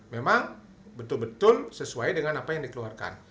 memang betul betul sesuai dengan apa yang dikeluarkan